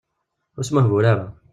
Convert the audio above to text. Ur smuhbul ara.